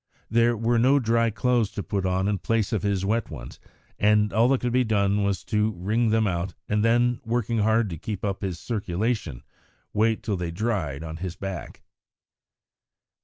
There were no dry clothes to put on in place of his wet ones, and all that could be done was to wring them out, and then, working hard to keep up his circulation, wait till they dried on his back.